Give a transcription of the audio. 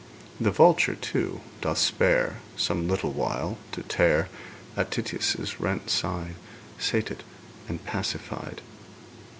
The vulture, too, doth spare Some little while to tear At Tityus' rent side, Sated and pacified.